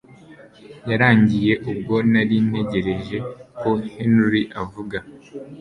yarangiye ubwo nari ntegereje ko Henry avuga